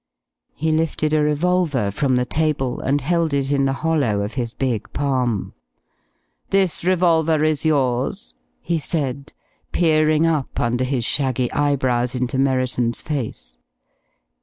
He lifted a revolver from the table and held it in the hollow of his big palm. "This revolver is yours?" he said, peering up under his shaggy eyebrows into Merriton's face.